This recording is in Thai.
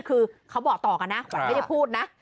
คือเขาบอกต่อกันนะขวัญไม่ได้พูดนะ